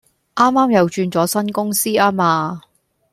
啱啱又轉咗新公司呀嘛